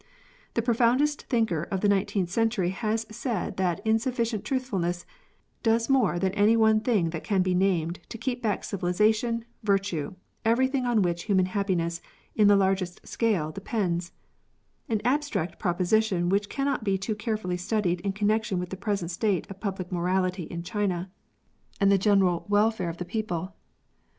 The profoundest thinker of the nineteenth century has said that insufficient truth fulness '' does more than any one thing that can be named to keep back civilisation, virtue, everything on which human happiness, on the largest scale, de pends "— an abstract proposition which cannot be too carefully studied in connection with the present state of public morality in China, and the general welfare LYING. 127 of the people.